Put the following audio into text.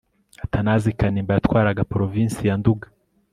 Atanazi Kanimba yatwaraga Provinsi ya Nduga